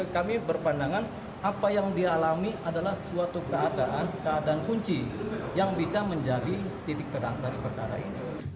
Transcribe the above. kami berpandangan apa yang dia alami adalah suatu keadaan keadaan kunci yang bisa menjadi titik terang dari perkara ini